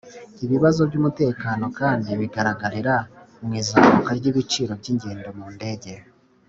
ibibazo by'umutekano kandi bigaragarira mu izamuka ry'ibiciro by'ingendo mu ndege,